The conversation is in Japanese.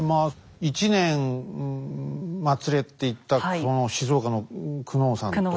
１年まつれって言ったその静岡の久能山と。